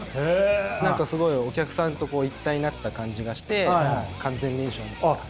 何かすごいお客さんと一体になった感じがして完全燃焼みたいな。